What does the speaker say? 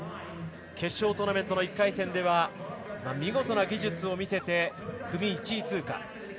決勝トーナメントの１回戦では見事な技術を見せて組１位通過。